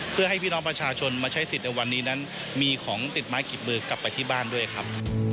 เพื่อให้พี่น้องประชาชนมาใช้สิทธิ์ในวันนี้นั้นมีของติดไม้กิบมือกลับไปที่บ้านด้วยครับ